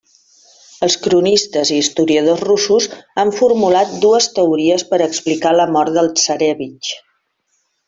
Els cronistes i historiadors russos han formulat dues teories per explicar la mort del tsarévitx.